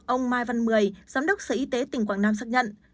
ông mai văn mười giám đốc sở y tế tỉnh quảng nam xác nhận